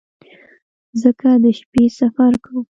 ځکه د شپې سفر کاوه.